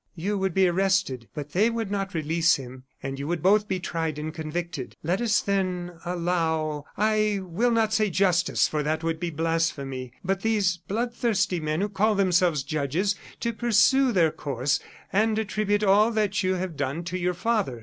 You would be arrested, but they would not release him, and you would both be tried and convicted. Let us, then, allow I will not say justice, for that would be blasphemy but these blood thirsty men, who call themselves judges, to pursue their course, and attribute all that you have done to your father.